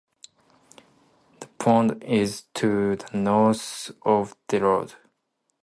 The pond is to the north of the road.